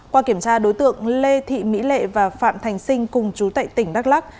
qua kiểm tra đối tượng lê thị mỹ lệ và phạm thành sinh cùng chú tại tỉnh đắk lắc